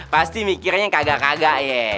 pasti mikirnya kagak kagak ye